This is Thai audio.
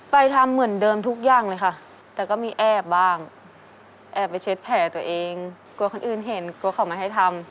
ไปทำเหมือนเดิมทุกอย่างเลยค่ะแต่ก็มีแอบบ้างแอบไปเช็ดแผลตัวเองกลัวคนอื่นเห็นกลัวเขาไม่ให้ทำ